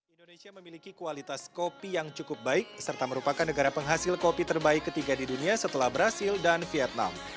indonesia memiliki kualitas kopi yang cukup baik serta merupakan negara penghasil kopi terbaik ketiga di dunia setelah brazil dan vietnam